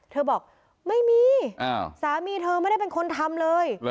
บอกไม่มีสามีเธอไม่ได้เป็นคนทำเลย